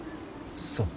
そう。